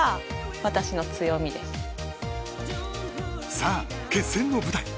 さあ、決戦の舞台。